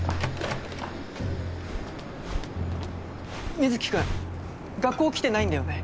水城君学校来てないんだよね？